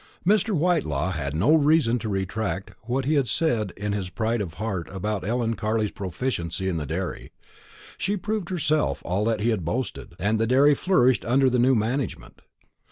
Mr. Whitelaw had no reason to retract what he had said in his pride of heart about Ellen Carley's proficiency in the dairy. She proved herself all that he had boasted, and the dairy flourished under the new management.